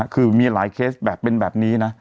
คือมีหลายเคสแบบเป็นแบบนี้นะ